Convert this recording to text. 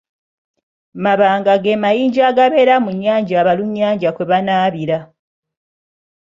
Mabanga ge mayinja agabeera mu nnyanja abalunnyanja kwe banaabira.